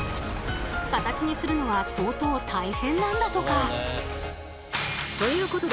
形にするのは相当大変なんだとか。ということで